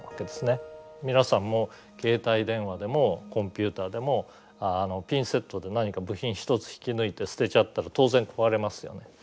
皆さんも携帯電話でもコンピューターでもピンセットで何か部品１つ引き抜いて捨てちゃったら当然壊れますよね。